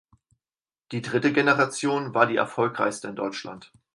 Die dritte Generation war die erfolgreichste in Deutschland.